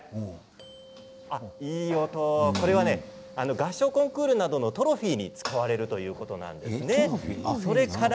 合唱コンクールなどのトロフィーに使われるということなんですね。